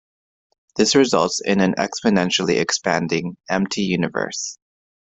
This results in an exponentially expanding, empty universe.